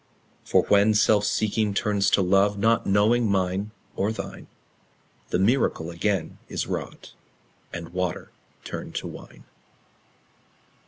For when self seeking turns to love, Not knowing mine nor thine, The miracle again is wrought, And water turned to wine.